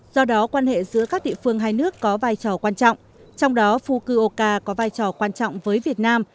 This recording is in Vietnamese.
do đó quan hệ giữa các địa phương hai nước có vai trò quan trọng trong đó fukuoka có vai trò quan trọng với việt nam